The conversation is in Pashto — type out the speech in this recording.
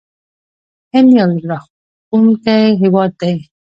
هند یو زړه راښکونکی هیواد دی.